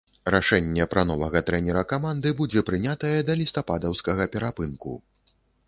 Рашэнне пра новага трэнера каманды будзе прынятае да лістападаўскага перапынку.